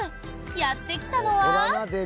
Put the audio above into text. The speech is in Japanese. やってきたのは。